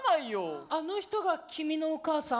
あの人が君のお母さん？